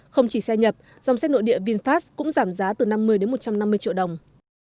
không chỉ xe nhập dòng xe nội địa vinfast cũng giảm giá từ năm mươi đến một trăm năm mươi triệu đồng